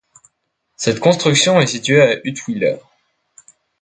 Cette construction est située à Uttwiller.